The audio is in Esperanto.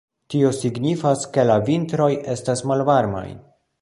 Tio signifas ke la vintroj estas malvarmaj.